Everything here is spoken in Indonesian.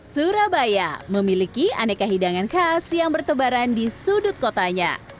surabaya memiliki aneka hidangan khas yang bertebaran di sudut kotanya